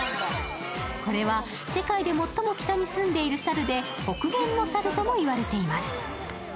これは世界で最も北に住んでいる猿で北限の猿とも言われています。